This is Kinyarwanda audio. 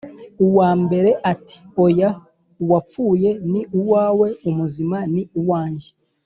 Uwa mbere ati “Oya, uwapfuye ni uwawe, umuzima ni we wanjye”